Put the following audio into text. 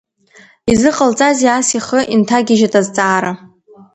Изыҟалҵазеи ас ихы инҭагьежьит азҵаара.